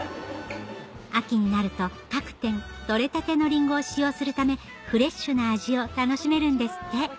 秋になると各店取れたてのりんごを使用するためフレッシュな味を楽しめるんですって